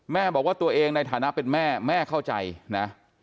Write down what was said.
แม่บอกว่าตัวเองในฐานะเป็นแม่แม่เข้าใจนะ